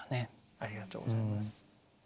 ありがとうございます。